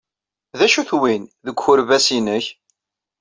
D acu-t win, deg ukerbas-nnek?